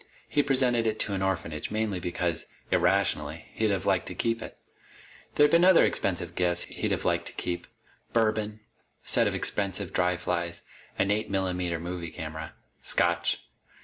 He'd presented it to an orphanage mainly because, irrationally, he'd have liked to keep it. There had been other expensive gifts he'd have liked to keep. Bourbon. A set of expensive dry flies. An eight millimeter movie camera. Scotch.